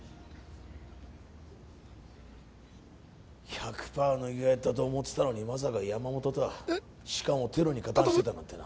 １００パー乃木がやったと思ってたのにまさか山本とはうっ頼むしかもテロに加担してたなんてな